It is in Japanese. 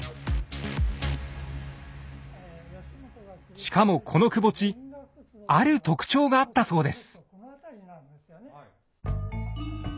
しかもこのくぼ地ある特徴があったそうです。